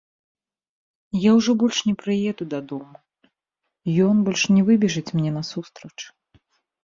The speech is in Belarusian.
Я ўжо больш не прыеду дадому, ён больш не выбежыць мне насустрач.